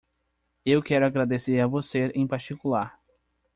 Eu quero agradecer a você em particular.